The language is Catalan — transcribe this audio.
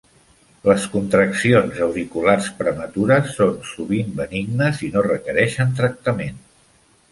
Les contraccions auriculars prematures són sovint benignes i no requereixen tractament.